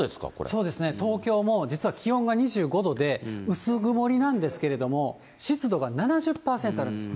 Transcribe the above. そうですね、東京も実は気温が２５度で、薄曇りなんですけども、湿度が７０％あるんです。